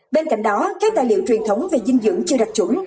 bên cạnh đó các tài liệu truyền thống về dinh dưỡng chưa đặt chuẩn